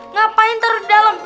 ngapain taruh di dalam